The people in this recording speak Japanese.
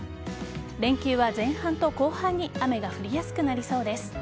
連休は前半と後半に雨が降りやすくなりそうです。